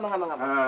begitu sabda rasul